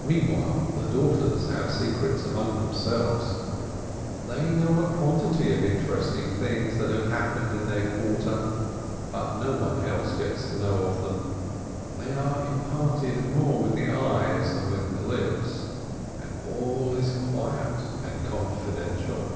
Meantime the daughters have secrets among them selves. They know a quantity of interesting things that have happened in their quarter, but no one else gets to know of them; they are imparted more with the eyes than with the lips, and all is quiet and con fidential.